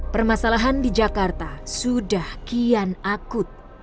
permasalahan di jakarta sudah kian akut